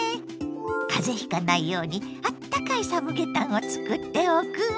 風邪ひかないようにあったかいサムゲタンをつくっておくわ。